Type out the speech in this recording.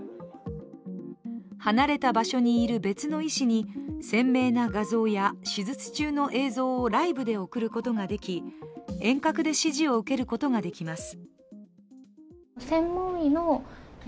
離れた場所にいる別の医師に鮮明な画像や手術中の映像をライブで送ることができ、遠隔で指示を受けることができます。